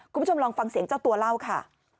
คุณผู้ชมลองฟังเสียงเจ้าตัวเล่าค่ะ